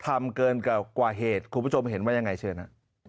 ทำเกินกว่าเหตุคุณผู้ชมเห็นว่ายังไงเชิญฮะ